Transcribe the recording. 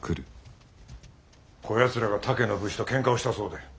こやつらが他家の武士とけんかをしたそうで。